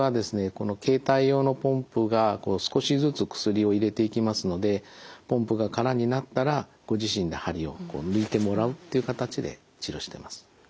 この携帯用のポンプが少しずつ薬を入れていきますのでポンプが空になったらご自身で針を抜いてもらうっていう形で治療してます。